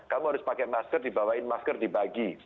kamu harus pakai masker dibawain masker dibagi